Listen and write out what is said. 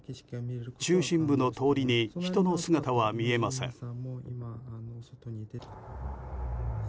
中心部の通りに人の姿は見えません。